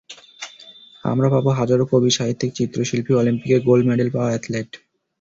আমরা পাব হাজারো কবি, সাহিত্যিক, চিত্রশিল্পী, অলিম্পিকে গোল্ড মেডেল পাওয়া অ্যাথলেট।